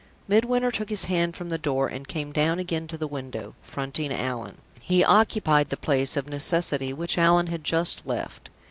Midwinter took his hand from the door, and came down again to the window, fronting Allan. He occupied the place, of necessity, which Allan had just left.